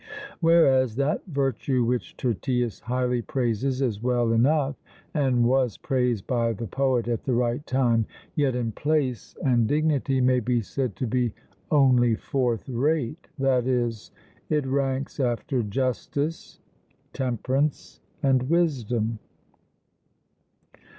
Whereas, that virtue which Tyrtaeus highly praises is well enough, and was praised by the poet at the right time, yet in place and dignity may be said to be only fourth rate (i.e., it ranks after justice, temperance, and wisdom.).